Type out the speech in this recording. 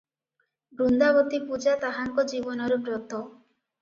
ବୃନ୍ଦାବତୀ ପୂଜା ତାହାଙ୍କ ଜୀବନର ବ୍ରତ ।